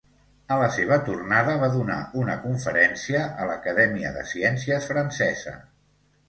A la seva tornada va donar una conferència a l'Acadèmia de Ciències Francesa.